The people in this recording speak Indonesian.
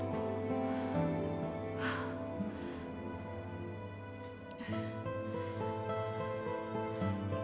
ini dia tempat yang lebih tempat buat aku